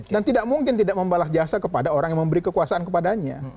dan tidak mungkin tidak membalas jasa kepada orang yang memberi kekuasaan kepadanya